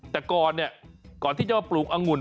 แต่ก่อนเนี่ยก่อนที่จะมาปลูกอังุ่น